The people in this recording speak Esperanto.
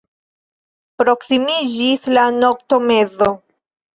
Proksimiĝis la noktomezo.